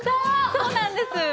そうなんです。